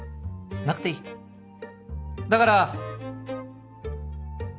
なくていいだから